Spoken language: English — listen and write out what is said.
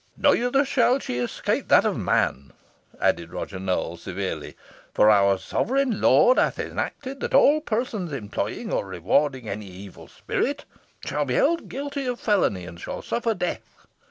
"Neither shall she escape that of man," added Nowell, severely; "for our sovereign lord hath enacted that all persons employing or rewarding any evil spirit, shall be held guilty of felony, and shall suffer death.